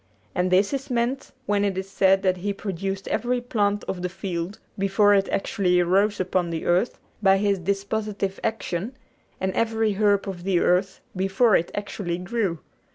And this is meant when it is said that He produced every plant of the field before it actually arose upon the earth by His dispositive action, and every herb of the earth before it actually grew.